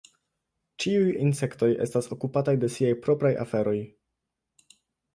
Ĉiuj insektoj estas okupataj de siaj propraj aferoj.